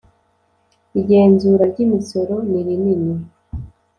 igenzura ry’ Imisoro nirinini.